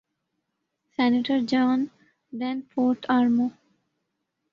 senator John Dean fourth آر مو